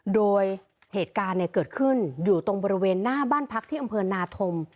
โดยเหตุการณ์เกิดขึ้นอยู่ตรงบริเวณหน้าบ้านพักที่อำเภอนาธม